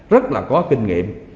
rất là có kinh nghiệm